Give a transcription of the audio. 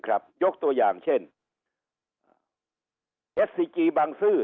ยกตัวอย่างเช่นเอสซีจีบางซื่อ